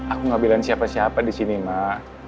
aku gak belain siapa siapa disini mak